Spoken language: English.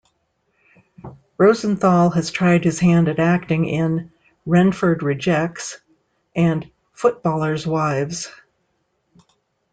Rosenthal has tried his hand at acting in "Renford Rejects" and "Footballers' Wives".